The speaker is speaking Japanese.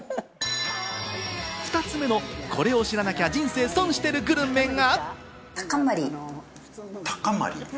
２つ目の、これを知らなきゃ人生損してるグルメが。